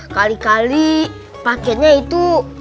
kali kali paketnya itu